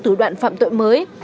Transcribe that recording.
thủ đoạn phạm tội mới